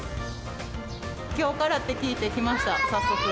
きょうからって聞いて来まし